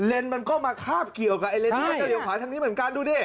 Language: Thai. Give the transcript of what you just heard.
มันก็มาคาบเกี่ยวกับไอเลนที่เขาจะเหี่ยวขวาทางนี้เหมือนกันดูดิ